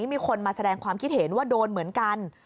มีคนมาแสดงความคิดเห็นว่าโดนเหมือนกัน